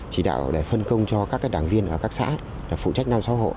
chỉ đạo để phân công cho các đảng viên ở các xã phụ trách năm sáu hộ